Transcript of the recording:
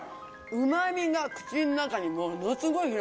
うま味が口の中にものすごい広がる。